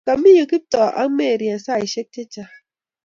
Kami yu Kiptoo ak Mary eng saisiek chechang